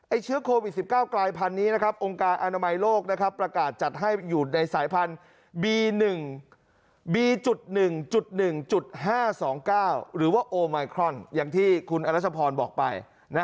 ไอ้เชื้อโควิด๑๙กลายพันธุ์นี้นะครับ